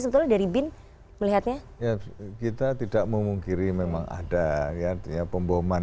sebetulnya dari bin melihatnya kita tidak memungkiri memang ada ya pemboman